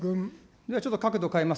ではちょっと角度を変えます。